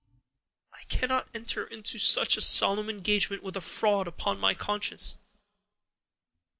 I cannot enter into such a solemn engagement with a fraud upon my conscience.